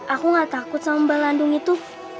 aku gak takut sama mbak landung itu